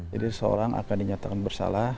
jadi seorang akan dinyatakan bersalah